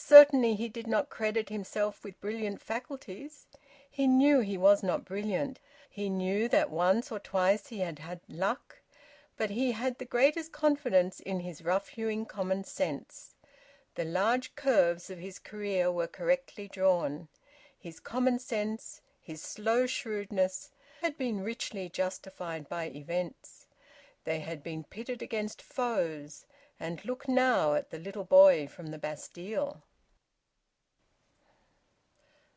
Certainly he did not credit himself with brilliant faculties. He knew he was not brilliant; he knew that once or twice he had had luck. But he had the greatest confidence in his rough hewing common sense. The large curves of his career were correctly drawn. His common sense, his slow shrewdness, had been richly justified by events. They had been pitted against foes and look now at the little boy from the Bastille!